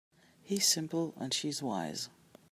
He's simple and she's wise.